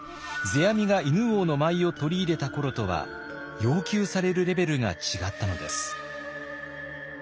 世阿弥が犬王の舞を取り入れた頃とは要求されるレベルが違ったのです。